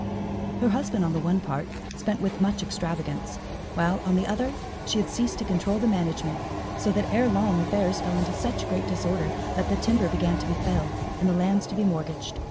Her husband, on the one part, spent with much extravagance, while, on the other, she had ceased to control the management, so that ere long affairs fell into such great disorder, that the timber began to be felled, and the lands to be mortgaged.